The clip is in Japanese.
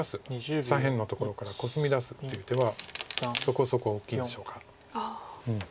左辺のところからコスミ出すっていう手はそこそこ大きいでしょうか。